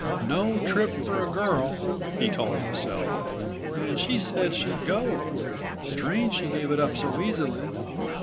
"No trip for a girl," he told himself, "and she said she'd go. Strange she gave it up so easily.